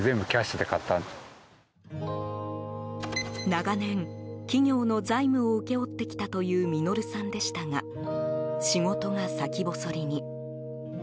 長年、企業の財務を請け負ってきたというミノルさんでしたが仕事が先細りに。